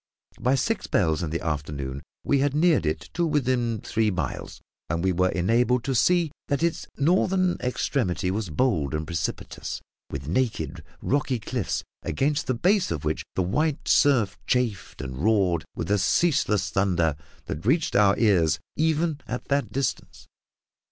By six bells in the afternoon we had neared it to within three miles, and were enabled to see that its northern extremity was bold and precipitous, with naked, rocky cliffs, against the base of which the white surf chafed and roared with a ceaseless thunder that reached our ears even at that distance.